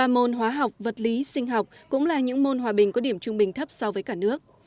ba môn hóa học vật lý sinh học cũng là những môn hòa bình có điểm trung bình thấp so với cả nước